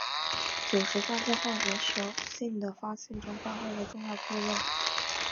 酒石酸在化学手性的发现中发挥了重要的作用。